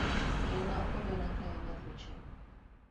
Kelna okombe no kae amadh go chai